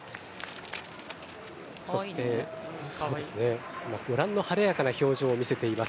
そして、ご覧の晴れやかな表情を見せています